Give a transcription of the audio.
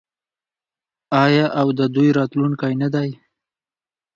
آیا او د دوی راتلونکی نه دی؟